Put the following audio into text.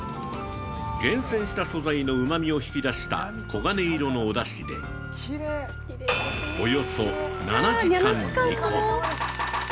厳選した素材のうまみを引き出した黄金色のおだしでおよそ７時間、煮込む。